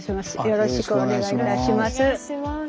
よろしくお願いします。